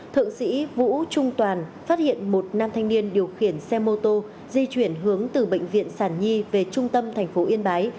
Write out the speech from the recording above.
thượng sĩ vũ trung toàn phát hiện một nam thanh niên điều khiển xe mô tô di chuyển hướng từ bệnh viện sản nhi về trung tâm thành phố yên bái